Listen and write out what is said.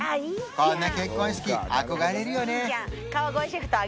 こんな結婚式憧れるよね